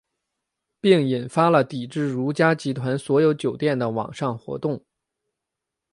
并引发了抵制如家集团所有酒店的网上活动。